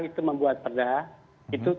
itu membuat pedah itu